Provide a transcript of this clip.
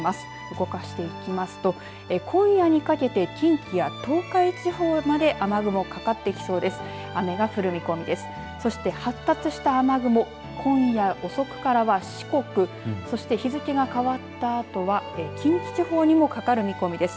動かしていきますと今夜にかけて近畿や東海地方まで雨雲、かかってきそうです。